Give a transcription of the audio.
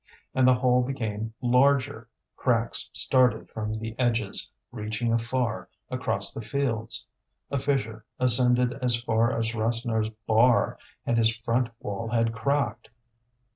And the hole became larger, cracks started from the edges, reaching afar, across the fields. A fissure ascended as far as Rasseneur's bar, and his front wall had cracked.